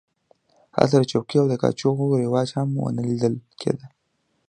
هلته د چوکیو او کاچوغو رواج هم نه و لیدل کېده.